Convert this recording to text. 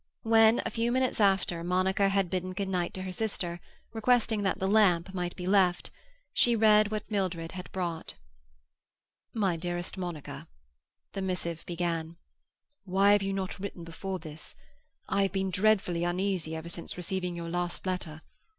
When, a few minutes after, Monica had bidden good night to her sister (requesting that the lamp might be left), she read what Mildred had brought. "MY DEAREST MONICA,"—the missive began—"Why have you not written before this? I have been dreadfully uneasy ever since receiving your last letter.